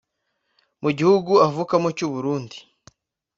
Mu gihgu avukamo cy’u Burundi